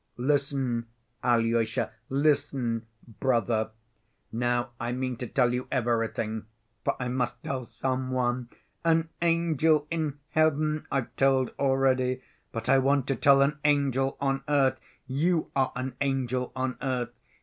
Listen, Alyosha, listen, brother! Now I mean to tell you everything, for I must tell some one. An angel in heaven I've told already; but I want to tell an angel on earth. You are an angel on earth.